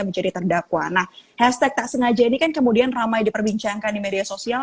menjadi terdakwa nah hashtag tak sengaja ini kan kemudian ramai diperbincangkan di media sosial